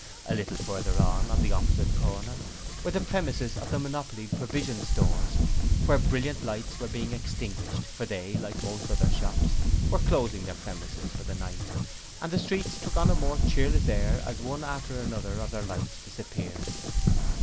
A little further on, at the opposite corner, were the premises of the Monopole Provision Stores, where brilliant lights were just being extinguished, for they, like most of the other shops, were closing their premises for the night, and the streets took on a more cheerless air as one after another their lights disappeared.